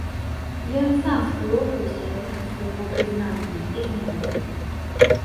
Ён сам спалохаўся гэтага свайго прызнання і змоўк.